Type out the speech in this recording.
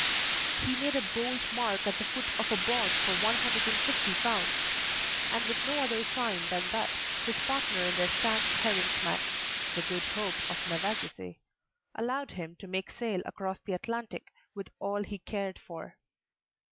He made a bold mark at the foot of a bond for 150 pounds; and with no other sign than that, his partner in their stanch herring smack (the Good Hope, of Mevagissey) allowed him to make sail across the Atlantic with all he cared for.